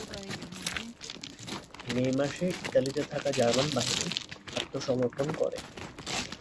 মে মাসে ইতালিতে থাকা জার্মান বাহিনী আত্মসমর্পণ করে।